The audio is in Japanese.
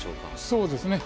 そうですね。